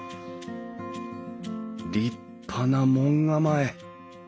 立派な門構え。